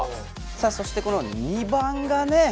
さあそしてこの２番がね。